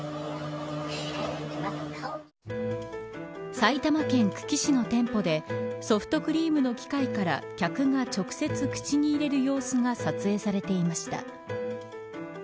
埼玉県久喜市の店舗でソフトクリームの機械から客が直接口に入れる様子が撮影されていました。